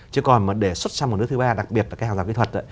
chứ còn để xuất sang một nước thứ ba đặc biệt là cái hàng rào kỹ thuật